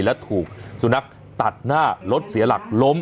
และถูกสุนัขตัดหน้ารถเสียหลักล้ม